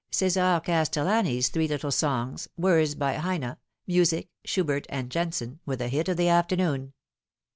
Cesar Castellani's three little songs words by Heine music, Schubert and Jensen were the hit of the afternoon.